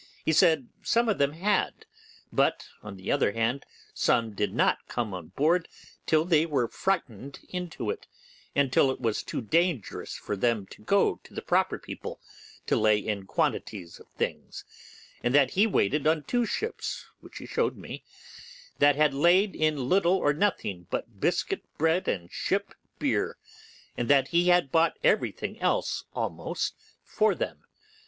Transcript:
He said some of them had—but, on the other hand, some did not come on board till they were frighted into it and till it was too dangerous for them to go to the proper people to lay in quantities of things, and that he waited on two ships, which he showed me, that had laid in little or nothing but biscuit bread and ship beer, and that he had bought everything else almost for them.